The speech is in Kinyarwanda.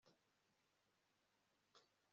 nzi neza ko ndabaga akumbuye mariya cyane